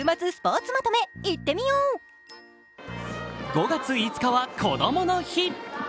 ５月５日は、こどもの日。